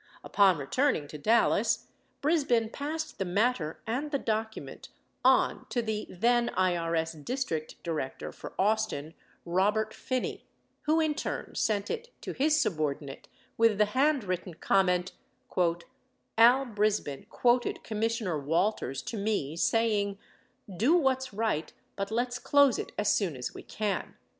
Upon returning to Dallas, Brisbin passed the natter (and the document) on to the then IRS District Director for Austin, Robert Phinney, 8 ® who in turn sent it to his subordinate with the handwritten comment : "A1 Brisbin quoted Commissioner Walters to me saying, 'Do what's right but let's close it as soon as we can.